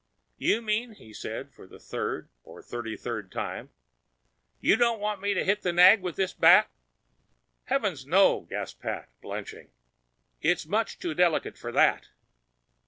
"You mean," he said for the third or thirty third time, "you don't want I should hit the nag with this bat?" "Heavens, no!" gasped Pat, blanching. "It's much too delicate for that."